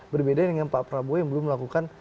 berbeda dengan pak prabowo yang belum melakukan aksi aktif